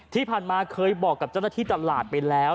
ที่ผ่านมาเคยบอกกับฆ่าที่ตลาดไปแล้ว